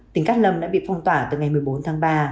tỉnh cát lâm đã bị phong tỏa từ ngày một mươi bốn tháng ba